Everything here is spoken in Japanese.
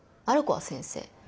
ある子は先生。